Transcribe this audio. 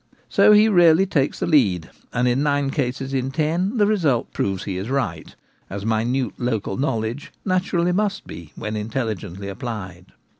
So he really takes the lead, and in nine cases in ten the result proves he is right, as minute local knowledge naturally must be when intelligently applied.